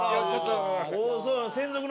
おおそう。